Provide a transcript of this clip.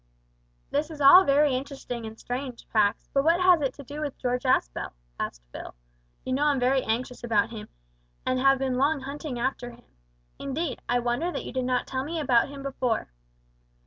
"This is all very interesting and strange, Pax, but what has it to do with George Aspel?" asked Phil. "You know I'm very anxious about him, and have long been hunting after him. Indeed, I wonder that you did not tell me about him before."